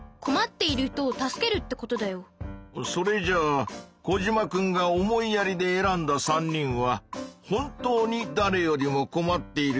それじゃあコジマくんが「思いやり」で選んだ３人は本当にだれよりもこまっている人たちなんだね？